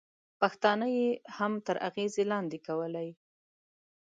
پښتانه یې هم تر اغېزې لاندې کولای.